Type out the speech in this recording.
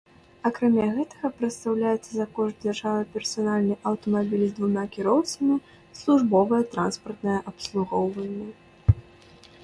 Акрамя гэтага прадастаўляецца за кошт дзяржавы персанальны аўтамабіль з двума кіроўцамі, службовае транспартнае абслугоўванне.